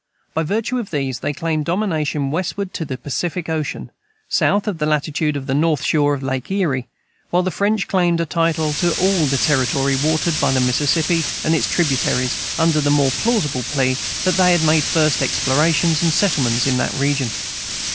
By virtue of these, they claimed dominion westward to the Pacific ocean, south of the latitude of the north shore of Lake Erie; while the French claimed a title to all the territory watered by the Mississippi and its tributaries, under the more plausible plea that they had made the first explorations and settlements in that region.